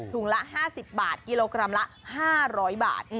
ละ๕๐บาทกิโลกรัมละ๕๐๐บาท